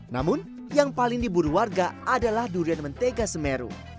namun yang paling diburu warga adalah durian mentega semeru